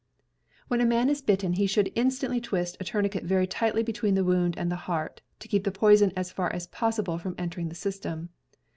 When a man is bitten he should instantly twist a tourniquet very tightly between the wound and the heart, to keep the poison, as far as possible, from entering the system.